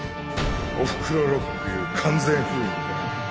『おふくろロックユー』完全封印ってな。